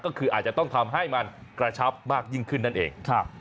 ก็คืออาจจะต้องทำให้มันกระชับมากยิ่งขึ้นนั่นเอง